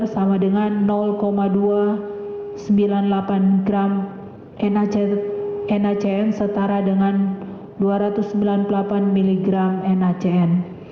sama dengan dua ratus sembilan puluh delapan gram nacn setara dengan dua ratus sembilan puluh delapan mg nacn